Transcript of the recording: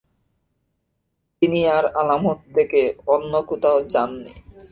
তিনি আর আলামুট থেকে অন্য কোথাও যাননি।